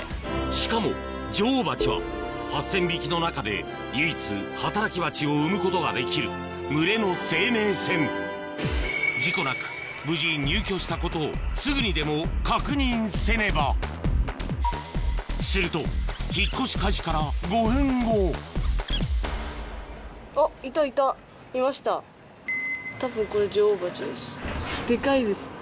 しかも女王バチは８０００匹の中で唯一働きバチを産むことができる群れの生命線事故なく無事入居したことをすぐにでも確認せねばすると引っ越し開始から５分後たぶんこれ女王バチです。